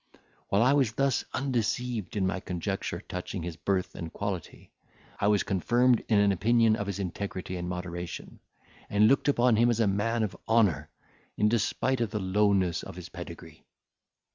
While I was thus undeceived in my conjecture touching his birth and quality, I was confirmed in an opinion of his integrity and moderation, and looked upon him as a man of honour, in despite of the lowness of his pedigree.